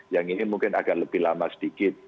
yang ini mungkin agak lebih lama sedikit